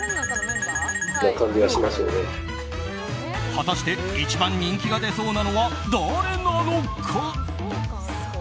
果たして、一番人気が出そうなのは誰なのか。